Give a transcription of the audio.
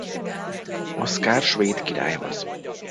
Oszkár svéd királyhoz.